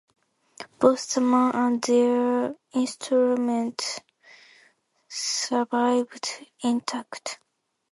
Both the men and their instruments survived intact.